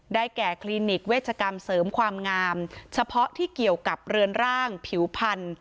แก่คลินิกเวชกรรมเสริมความงามเฉพาะที่เกี่ยวกับเรือนร่างผิวพันธุ